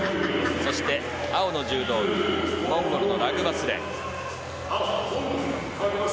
そして、青の柔道着モンゴルのラグバスレン。